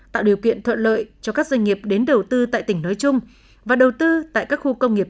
tạo điều kiện thuận lợi cho các doanh nghiệp đến đầu tư tại tỉnh nói chung và đầu tư tại các khu công nghiệp